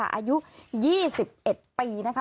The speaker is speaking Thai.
อายุยี่สิบเอ็ดปีนะคะ